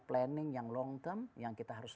planning yang long term yang kita harus